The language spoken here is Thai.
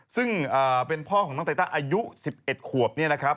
ซึ่งเป็นพ่อของน้องไตต้าอายุ๑๑ขวบเนี่ยนะครับ